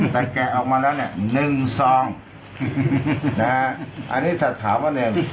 แต่แกะออกมาแล้วเนี่ย๑ซองนะฮะอันนี้ถ้าถามว่าหนึ่ง